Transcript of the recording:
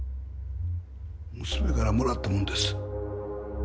娘からもらったものです。